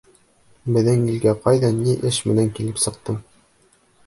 Беҙҙең илгә ҡайҙан ни эш менән килеп сыҡтың?